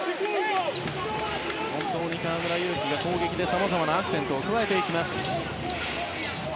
河村勇輝が攻撃でさまざまなアクセントを加えていきます。